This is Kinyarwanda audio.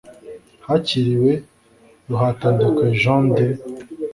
hakiriwe RUHATANDEKWE Jean de